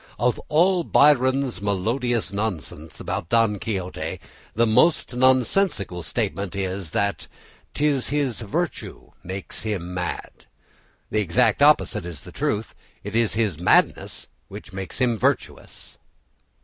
Of all Byron's melodious nonsense about Don Quixote, the most nonsensical statement is that "'t is his virtue makes him mad!" The exact opposite is the truth; it is his madness makes him virtuous.